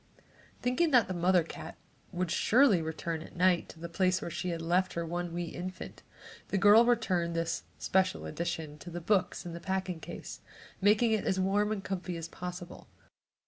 Thinking that the mother cat would surely return at night to the place where she had left her one wee infant, the girl returned this "special edition" to the books in the packing case, making it as warm and comfy as possible.